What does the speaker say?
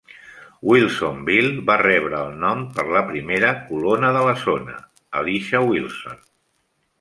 Wilsonville va rebre el nom per la primera colona de la zona, Elisha Wilson.